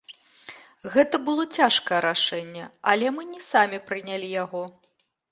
Гэта было цяжкае рашэнне, але мы не самі прынялі яго.